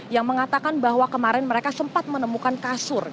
yang mengatakan bahwa kemarin mereka sempat menemukan kasur